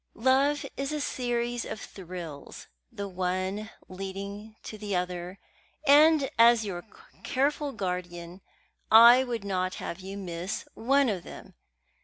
Love is a series of thrills, the one leading to the other, and, as your careful guardian, I would not have you miss one of them.